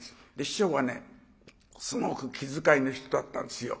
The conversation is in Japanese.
師匠はすごく気遣いの人だったんですよ。